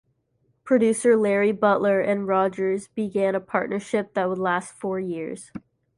Producer Larry Butler and Rogers began a partnership that would last four years.